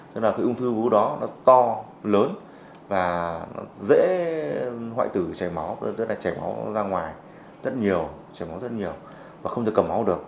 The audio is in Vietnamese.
tức là cái ung thư vú đó nó to lớn và nó dễ hoại tử chảy máu rất là chảy máu ra ngoài rất nhiều chảy máu rất nhiều và không thể cầm máu được